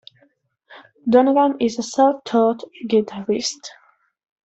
Donegan is a self-taught guitarist.